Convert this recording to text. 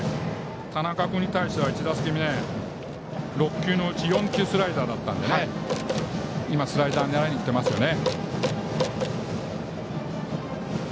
田中君に対しては１打席目、６球のうち４球がスライダーだったので今、スライダーを狙いにいっていますね。